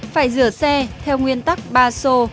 phải rửa xe theo nguyên tắc ba xô